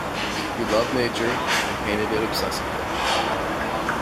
He loved nature and painted it obsessively.